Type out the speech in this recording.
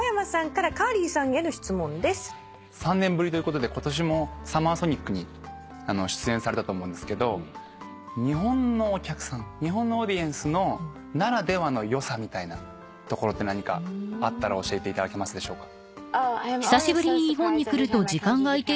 ３年ぶりということで今年もＳＵＭＭＥＲＳＯＮＩＣに出演されたと思うんですけど日本のお客さん日本のオーディエンスならではの良さみたいなところって何かあったら教えていただけますでしょうか。